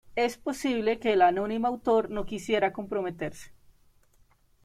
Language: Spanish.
Es posible que el anónimo autor no quisiera comprometerse.